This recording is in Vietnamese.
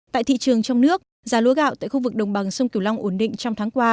tại thị trường trong nước giá lúa gạo tại khu vực đồng bằng sông kiều long ổn định